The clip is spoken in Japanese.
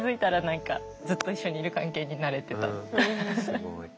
すごい。